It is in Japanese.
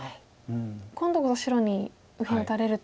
今度こそ白に右辺打たれると。